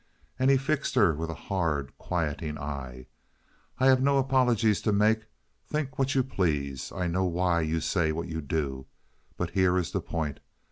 And he fixed her with a hard, quieting eye. "I have no apologies to make. Think what you please. I know why you say what you do. But here is the point.